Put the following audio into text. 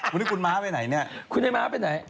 วันนี้คุณม้าไปไหนเนี่ยคุณไอ้ม้าไปไหน